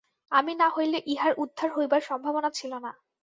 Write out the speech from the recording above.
আমি না হইলে ইহার উদ্ধার হইবার সম্ভাবনা ছিল না।